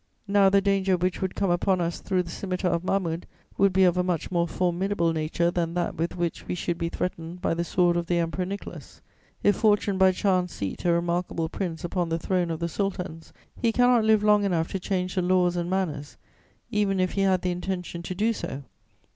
Now, the danger which would come upon us through the scimitar of Mahmud would be of a much more formidable nature than that with which we should be threatened by the sword of the Emperor Nicholas. If fortune, by chance, seat a remarkable prince upon the Throne of the Sultans, he cannot live long enough to change the laws and manners, even if he had the intention to do so.